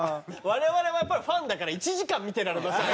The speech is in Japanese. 我々はやっぱりファンだから１時間見てられますよ。